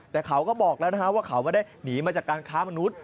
แต่เขาก็บอกแล้วนะฮะว่าเขาไม่ได้หนีมาจากการค้ามนุษย